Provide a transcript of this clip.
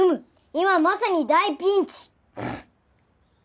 今まさに大ピンチ！